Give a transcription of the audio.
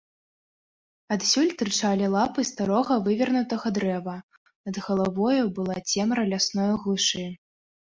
Адсюль тырчалі лапы старога вывернутага дрэва, над галавою была цемра лясное глушы.